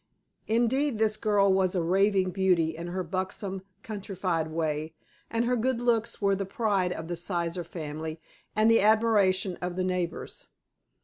Indeed, this girl was a "raving beauty" in her buxom, countrified way, and her good looks were the pride of the Sizer family and the admiration of the neighbors.